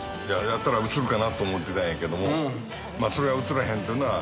やったら映るかなと思ってたんやけどもそれは映らへんっていうのは。